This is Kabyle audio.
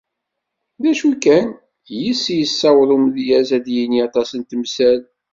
D acu kan, yis-s, issaweḍ umedyaz ad d-yini aṭas n temsal.